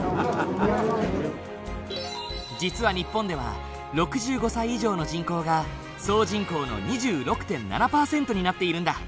実は日本では６５歳以上の人口が総人口の２６．７％になっているんだ。